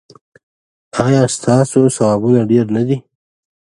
ایا ستاسو ثوابونه ډیر نه دي؟